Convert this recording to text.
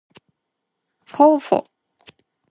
ｆｗｆ ぉ